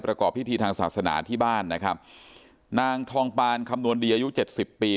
ประกอบพิธีทางศาสนาที่บ้านนะครับนางทองปานคำนวณดีอายุเจ็ดสิบปี